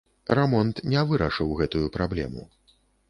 Рамонт не вырашыў гэтую праблему.